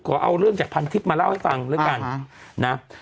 เอาเรื่องจากพันทิพย์มาเล่าให้ฟังแล้วกันนะ